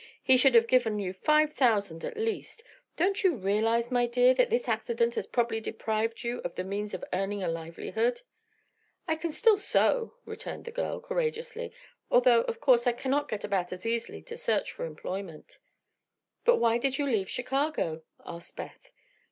"He should have given you five thousand, at least. Don't you realize, my dear, that this accident has probably deprived you of the means of earning a livelihood?" "I can still sew," returned the girl, courageously, "although of course I cannot get about easily to search for employment." "But why did you leave Chicago?" asked Beth.